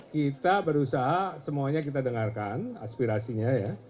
kita berusaha semuanya kita dengarkan aspirasinya ya